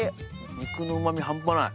肉のうまみ半端ない。